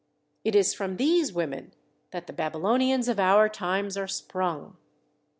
It is from these women that the Babylonians of our times are sprung.